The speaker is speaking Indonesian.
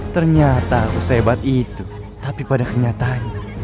ternyata harus hebat itu tapi pada kenyataannya